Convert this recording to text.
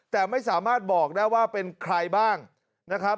แต่ไม่สามารถบอกได้ว่าเป็นใครบ้างนะครับ